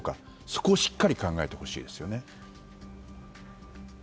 そこをしっかり考えてほしいですよね。